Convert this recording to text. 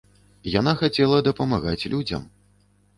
Яна хацела дапамагаць людзям.